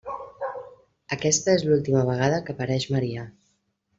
Aquesta és l'última vegada que apareix Maria.